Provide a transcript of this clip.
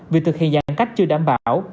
việc thực hiện giãn cách chưa đảm bảo